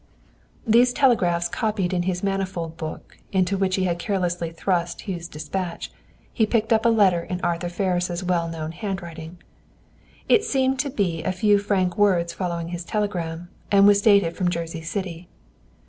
These telegrams copied in his manifold book, into which he had carelessly thrust Hugh's dispatch, he picked up a letter in Arthur Ferris' well known hand writing. It seemed to be a few frank words following his telegram, and was dated from Jersey City.